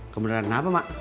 kebeneran apa mak